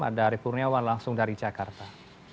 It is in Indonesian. ada arief kurniawan langsung dari jakarta